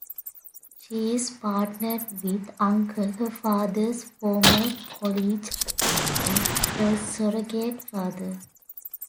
She's partnered with "Uncle," her father's former colleague and her surrogate father.